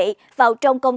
dịch thế hệ sau vẫn còn nhớ